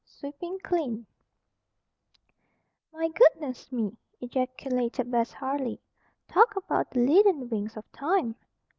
SWEEPING CLEAN "My goodness me!" ejaculated Bess Harley. "Talk about the 'leaden wings of Time.'